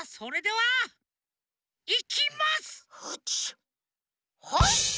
はい！